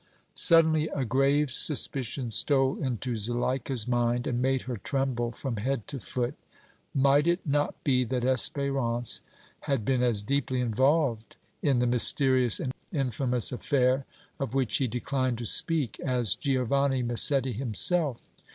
Suddenly a grave suspicion stole into Zuleika's mind and made her tremble from head to foot. Might it not be that Espérance had been as deeply involved in the mysterious and infamous affair of which he declined to speak as Giovanni Massetti himself?